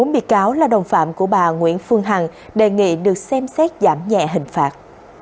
bốn bị cáo là đồng phạm của bà nguyễn phương hằng đề nghị được xem xét giảm nhẹ hình phạt